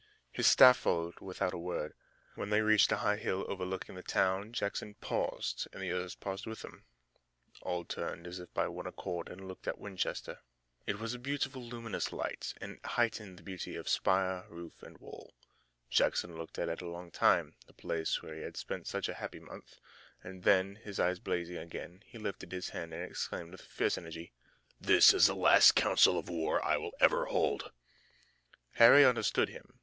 His staff followed without a word. When they reached a high hill overlooking the town Jackson paused and the others paused with him. All turned as if by one accord and looked at Winchester. The skies were clear and a silver light shone over the town. It was a beautiful, luminous light and it heightened the beauty of spire, roof, and wall. Jackson looked at it a long time, the place where he had spent such a happy month, and then, his eye blazing again, he lifted his hand and exclaimed with fierce energy: "That is the last council of war I will ever hold!" Harry understood him.